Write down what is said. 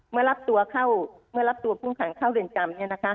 เมื่อรับตัวพุ่งขังเข้าเหลืองจำเนี่ยนะคะ